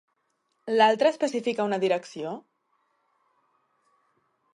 L'altre especifica una direcció?